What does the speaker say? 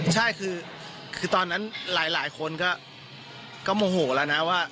ใช่คือตอนนั้นหลายคนก็โมโหแล้วนะว่า